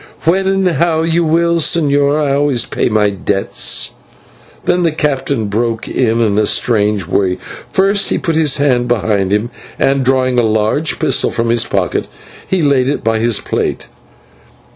"When and how you will, señor. I always pay my debts." Then the captain broke in, in a strange way. First he put a hand behind him, and, drawing a large pistol from his pocket, he laid it by his plate.